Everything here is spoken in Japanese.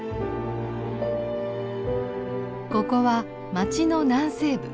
ここは町の南西部。